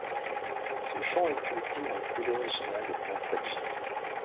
Souchon y cultive un style original et nostalgique.